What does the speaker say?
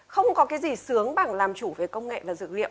không có cái gì sướng bằng làm chủ về công nghệ và dự liệu